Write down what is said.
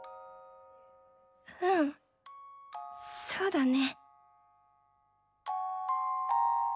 うんそうだね。